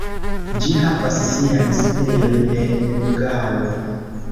Ĝi havas sian sidejon en Lugano.